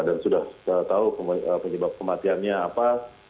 dan sudah tahu penyebab kematiannya apa